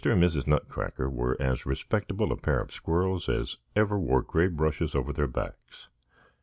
and Mrs. Nutcracker were as respectable a pair of squirrels as ever wore gray brushes over their backs.